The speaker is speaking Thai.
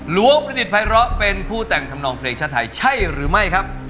หลวงประดิษฐภัยร้อเป็นผู้แต่งทำนองเพลงชาติไทยใช่หรือไม่ครับ